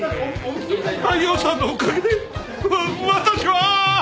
大陽さんのおかげで私は。